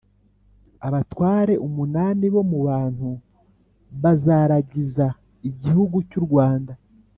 abatware umunani bo mu bantu Bazaragiza igihugu cy u Rwanda